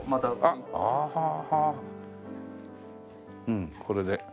うんこれで。